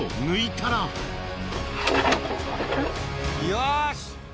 よし！